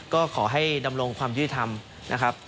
ก็ขอให้ดำรงความยุติธรรมนะครับ